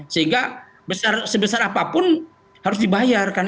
sehingga sebesar apapun harus dibayarkan